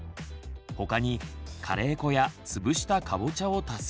他にカレー粉やつぶしたかぼちゃを足す。